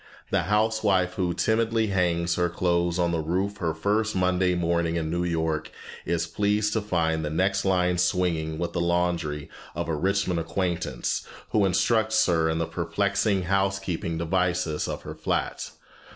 The housewife who timidly hangs her clothes on the roof her first Monday morning in New York is pleased to find the next line swinging with the laundry of a Richmond acquaintance, who instructs her in the perplexing housekeeping devices of her flat.